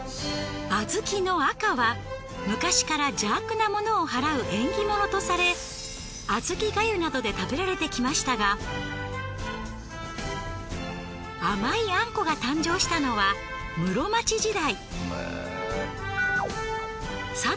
小豆の赤は昔から邪悪なものを祓う縁起物とされ小豆粥などで食べられてきましたが甘いあんこが誕生したのは室町時代。